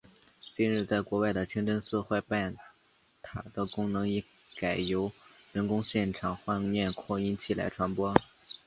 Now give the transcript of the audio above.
今日在国外的清真寺唤拜塔的功能已改由人工现场唤念扩音器来传播。